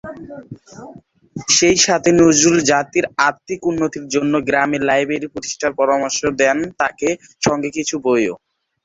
সেই সাথে নজরুল জাতির আত্মিক উন্নতির জন্য গ্রামে লাইব্রেরি প্রতিষ্ঠার পরামর্শ দেন তাকে, সঙ্গে কিছু বইও।